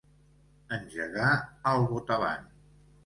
Engegar al botavant.